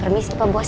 terima kasih pak bos